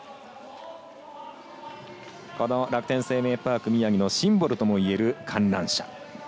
楽天生命パーク宮城のシンボルともいえる観覧車。